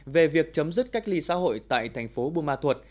về việc chấm dứt cách ly xã hội tại thành phố buôn ma thuột